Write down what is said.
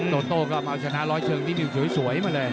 โตโต้ก็มาเอาชนะร้อยเชิงนิดสวยมาเลย